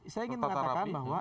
saya ingin mengatakan bahwa